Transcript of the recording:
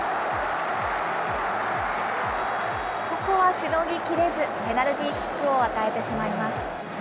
ここはしのぎ切れず、ペナルティーキックを与えてしまいます。